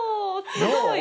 すごい。